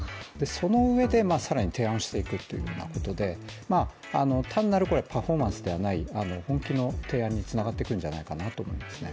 そのうえで、更に提案していくっていうことで単なるパフォーマンスではない本気の提案につながっていくんじゃないかと思いますね。